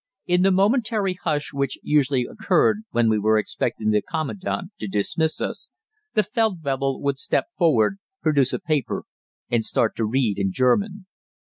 In the momentary hush which usually occurred when we were expecting the Commandant to dismiss us, the Feldwebel would step forward, produce a paper, and start to read in German.